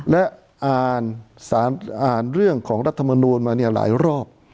และอ่านสารอ่านเรื่องของรัฐมนุนมาหลายรอบ